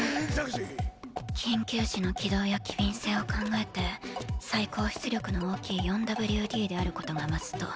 緊急時の機動や機敏性を考えて最高出力の大きい４ＷＤであることがマスト。